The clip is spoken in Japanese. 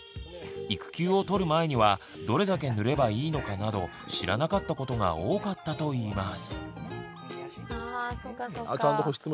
育休を取る前にはどれだけ塗ればいいのかなど知らなかったことが多かったといいます。